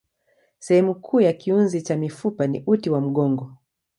Sehemu kuu ya kiunzi cha mifupa ni uti wa mgongo.